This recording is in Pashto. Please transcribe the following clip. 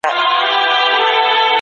خپل ذهن په ګټورو معلوماتو ډک کړئ.